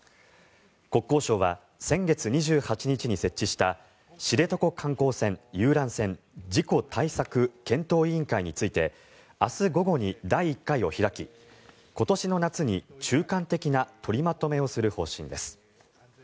国交省は先月２８日に設置した知床遊覧船事故対策検討委員会について明日午後に第１回を開き今年の夏に中間的な取りまとめをする方針です。